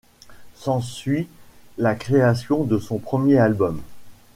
S'ensuit la création de son premier album.